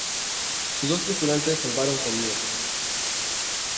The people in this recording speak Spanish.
Sus dos tripulantes salvaron con vida.